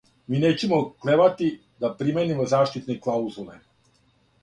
Ми нећемо оклевати да применимо заштитне клаузуле.